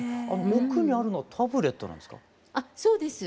奥にあるのはタブレットなんですか？